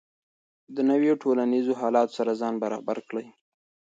د نویو ټولنیزو حالاتو سره ځان برابر کړئ.